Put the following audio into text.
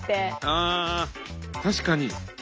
ああ確かに。